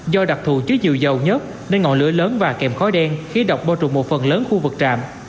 do đặc thù chứa nhiều dầu nhất nên ngọn lửa lớn và kèm khói đen khí độc bơ trụng một phần lớn khu vực trạm